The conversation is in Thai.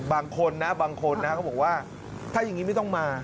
บางคนนะบางคนนะเขาบอกว่าถ้าอย่างนี้ไม่ต้องมา